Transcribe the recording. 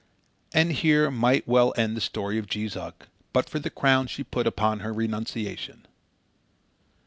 And here might well end the story of Jees Uck but for the crown she put upon her renunciation.